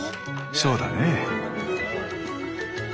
そうだね。